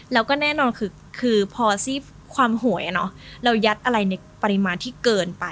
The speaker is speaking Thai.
แล้วก็แน่นอนคือพอความโหยเนอะแล้วยัดอะไรในปริมาณที่เกินไป